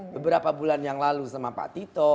beberapa bulan yang lalu sama pak tito